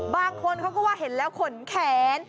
บางคนเขาก็ว่าเห็นแล้วขนแขน